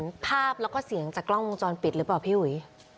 เห็นภาพแล้วก็เสียงจากกล้องวงจรปิดหรือเปล่าพี่อุ๋ย